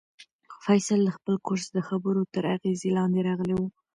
فیصل د خپل کورس د خبرو تر اغېز لاندې راغلی و.